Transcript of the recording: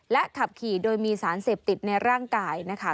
ขับขี่โดยมีสารเสพติดในร่างกายนะคะ